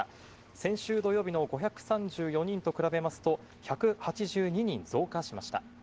先週土曜日の５３４人と比べますと、１８２人増加しました。